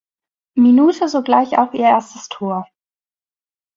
Minute sogleich auch ihr erstes Tor.